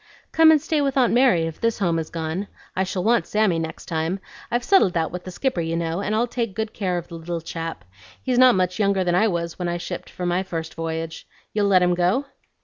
"Come and stay with Aunt Mary if this home is gone. I shall want Sammy next time. I've settled that with the Skipper, you know, and I'll take good care of the little chap. He's not much younger than I was when I shipped for my first voyage. You'll let him go?"